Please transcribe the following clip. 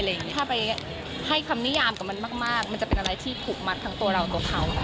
ถ้าไปให้คำนิยามกับมันมากมันจะเป็นอะไรที่ผูกมัดทั้งตัวเราตัวเขา